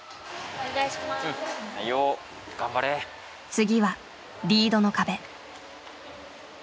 次はリードの壁。